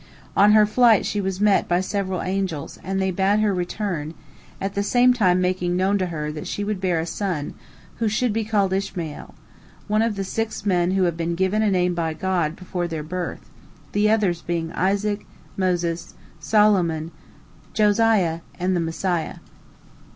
On her flight she was met by several angels, and they bade her return, at the same time making known to her that she would bear a son who should be called Ishmael—one of the six men who have been given a name by God before their birth, the others being Isaac, Moses, Solomon, Josiah, and the Messiah.